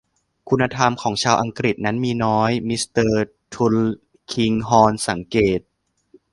คุณธรรมของชาวอังกฤษนั้นมีน้อย มิสเตอร์ทุลคิงฮอร์นสังเกต